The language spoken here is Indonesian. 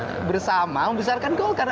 yang pertama membesarkan golkar